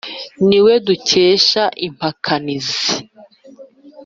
niwe dukesha impakanizi